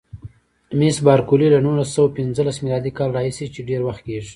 مس بارکلي: له نولس سوه پنځلسم میلادي کال راهیسې چې ډېر وخت کېږي.